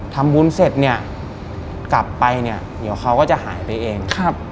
ทำบุญเสร็จเนี่ยกลับไปเนี่ยเดี๋ยวเขาก็จะหายไปเอง